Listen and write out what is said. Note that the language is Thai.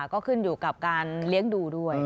ก็ขึ้นอยู่กับการเลี้ยงดูด้วย